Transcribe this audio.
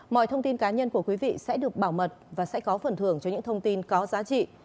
mọi thông tin cá nhân của quý vị sẽ được bảo mật và sẽ có phần thưởng cho những thông tin có giá trị